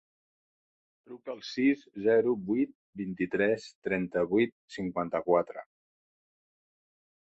Truca al sis, zero, vuit, vint-i-tres, trenta-vuit, cinquanta-quatre.